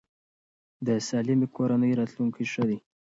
د سالمې کورنۍ راتلونکی ښه دی.